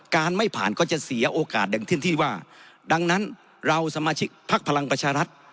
ไม่ผ่านก็จะเสียโอกาสอย่างเช่นที่ว่าดังนั้นเราสมาชิกพักพลังประชารัฐ